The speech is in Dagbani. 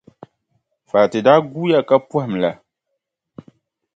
Fati daa guuya ka pɔhim la,